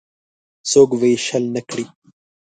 څوک به یې شل نه کړي.